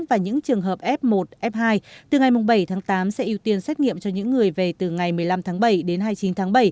và những trường hợp f một f hai từ ngày bảy tháng tám sẽ ưu tiên xét nghiệm cho những người về từ ngày một mươi năm tháng bảy đến hai mươi chín tháng bảy